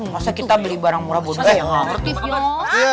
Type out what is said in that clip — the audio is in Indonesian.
masa kita beli barang murah bodoh